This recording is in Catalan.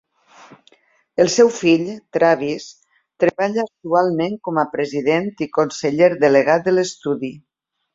El seu fill, Travis, treballa actualment com a president i conseller delegat de l'estudi.